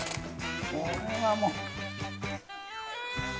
これはもう。